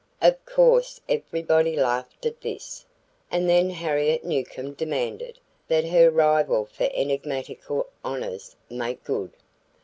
Of course everybody laughed at this, and then Harriet Newcomb demanded, that her rival for enigmatical honors make good.